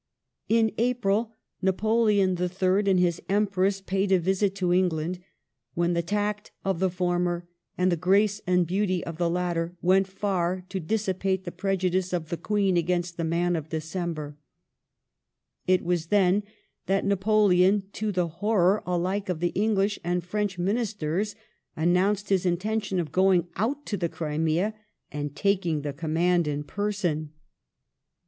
In April, Napoleon III. and his Empress paid a visit to England, when the tact of the former and the grace and beauty of the latter went far to dissipate the prejudice of the Queen against the man of December ". It was then that Napoleon, to the horror alike of the English and French Ministers, announced his intention of going out to the Crimea and taking the command in person.